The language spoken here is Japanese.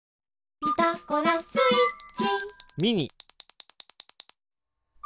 「ピタゴラスイッチ」